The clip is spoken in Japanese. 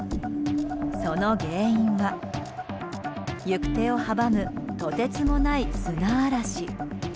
その原因は行く手を阻むとてつもない砂嵐。